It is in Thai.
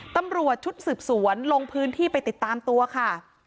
ตำรวจชุดสืบสวนลงพื้นที่ไปติดตามตัวค่ะ